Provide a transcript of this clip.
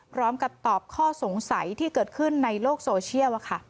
พร้อมกับตอบข้อสงสัยที่เกิดขึ้นในโลกโซเชียล